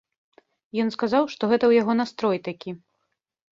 Ён сказаў, што гэта ў яго настрой такі.